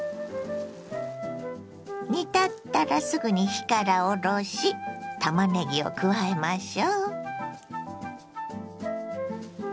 煮立ったらすぐに火から下ろしたまねぎを加えましょ。